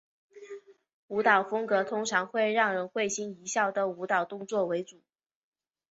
舞蹈风格通常以让人会心一笑的舞蹈动作为主。